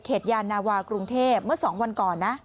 ยานาวากรุงเทพเมื่อ๒วันก่อนนะ